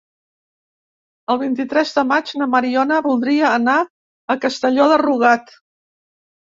El vint-i-tres de maig na Mariona voldria anar a Castelló de Rugat.